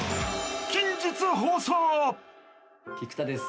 菊田です。